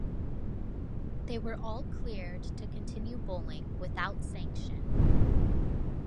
They were all cleared to continue bowling without sanction.